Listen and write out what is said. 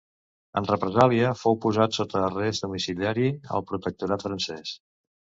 En represàlia, fou posat sota arrest domiciliari al protectorat francès.